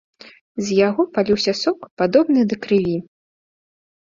З яго паліўся сок, падобны да крыві.